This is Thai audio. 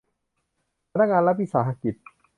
พนักงานรัฐวิสาหกิจ